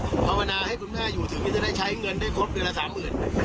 ภาวนาให้คุณแม่อยู่ถึงยังยังจะได้ใช้เงินได้ครบเดือนละ๓๐๐๐๐บาท